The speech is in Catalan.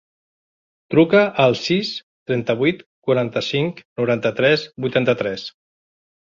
Truca al sis, trenta-vuit, quaranta-cinc, noranta-tres, vuitanta-tres.